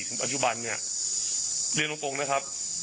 ถึงปัจจุบันเนี้ยเรียนตรงตรงนะครับ